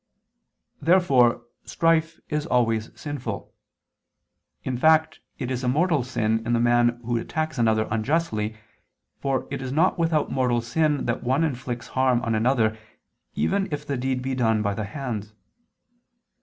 Therefore strife is always sinful. In fact it is a mortal sin in the man who attacks another unjustly, for it is not without mortal sin that one inflicts harm on another even if the deed be done by the hands.